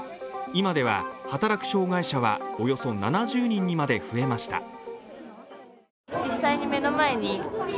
今では働く障害者はおよそ７０人にまで増えました。